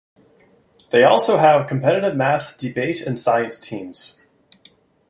They also have competitive math, debate and science teams.